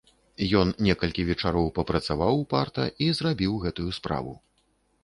Ён некалькі вечароў папрацаваў упарта і зрабіў гэтую справу.